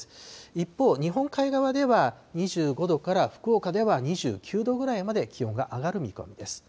一方、日本海側では２５度から、福岡では２９度ぐらいまで気温が上がる見込みです。